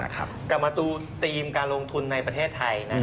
กลับมาดูธีมการลงทุนในประเทศไทย